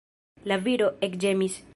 La viro ekĝemis.